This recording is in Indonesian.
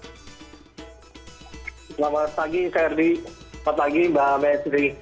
selamat pagi pak herdi selamat pagi mbak metri